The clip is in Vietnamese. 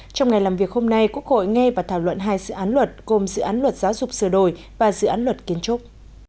trong ngày làm việc hôm nay quốc hội nghe và thảo luận hai dự án luật gồm dự án luật giáo dục sửa đổi và dự án luật kiến trúc